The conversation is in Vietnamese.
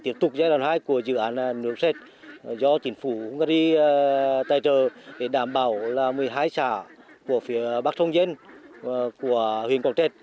tiếp tục giai đoạn hai của dự án nước sạch do chính phủ hungary tài trợ để đảm bảo là một mươi hai xã của phía bắc sông dân của huyện quảng trạch